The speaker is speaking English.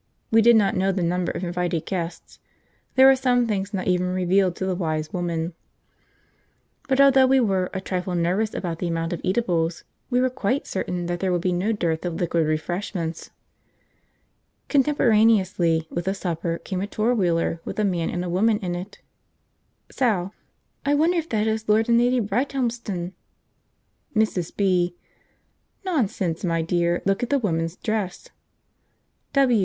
We did not know the number of invited guests (there are some things not even revealed to the Wise Woman), but although we were a trifle nervous about the amount of eatables, we were quite certain that there would be no dearth of liquid refreshment. Contemporaneously with the supper came a four wheeler with a man and a woman in it. Sal. "I wonder if that is Lord and Lady Brighthelmston?" Mrs. B. "Nonsense, my dear; look at the woman's dress."